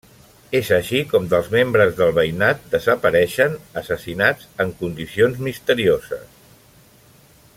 És així com dels membres del veïnat desapareixen, assassinats en condicions misterioses.